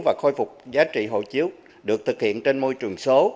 và khôi phục giá trị hộ chiếu được thực hiện trên môi trường số